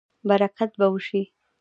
برکت به وشي